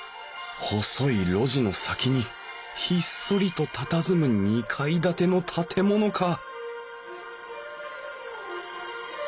細い路地の先にひっそりとたたずむ２階建ての建物か！